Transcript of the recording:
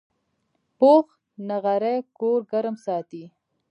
پوخ نغری کور ګرم ساتي